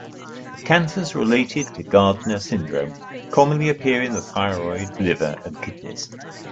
Cancers related to Gardner syndrome commonly appear in the thyroid, liver and kidneys.